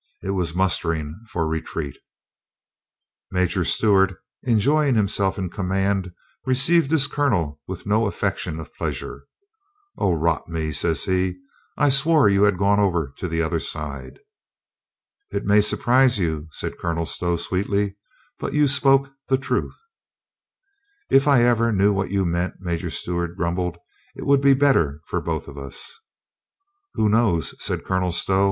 It was mustering for retreat. Major Stewart, enjoying himself in com mand, received his colonel with no affectation of pleasure. "Od rot me," says he, "I swore you had gone over to the other side." "It may surprise you," said Colonel Stow sweet ly, "but you spoke the truth." "If I ever knew what you meant," Major Stew art grumbled, "it would be better for both of us." "Who knows?" said Colonel Stow.